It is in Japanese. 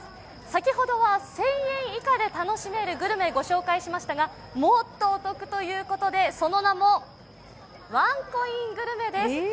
先ほどは１０００円以下で楽しめるグルメご紹介しましたがもっとお得ということで、その名もワンコイングルメです。